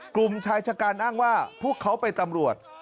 กลุ่มชายชะการอ้างว่าพวกเขาเป็นตำรวจ